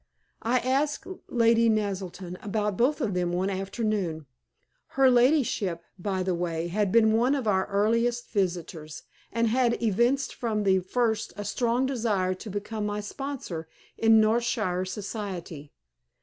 I asked Lady Naselton about both of them one afternoon. Her ladyship, by the way, had been one of our earliest visitors, and had evinced from the first a strong desire to become my sponsor in Northshire society.